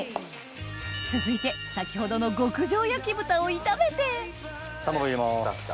続いて先ほどの極上焼豚を炒めて卵入れます。